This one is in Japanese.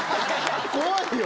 怖いよ。